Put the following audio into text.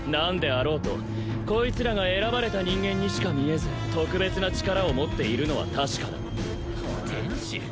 こいつらが選ばれた人間にしか見えず特別な力を持っているのは確かだ・天使？